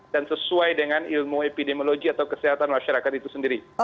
dan sesuai dengan ilmu epidemiologi atau kesehatan masyarakat itu sendiri